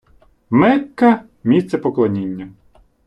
Мекка - місце поклоніння